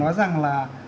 có thể nói rằng là